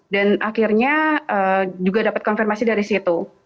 dan akhirnya juga dapat konfirmasi dari situ